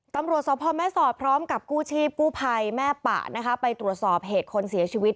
ตำรวจสพแม่สอดพร้อมกับกู้ชีพกู้ภัยแม่ปะนะคะไปตรวจสอบเหตุคนเสียชีวิต